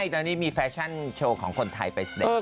ตอนนี้มีแฟชั่นโชว์ของคนไทยไปเสด็จ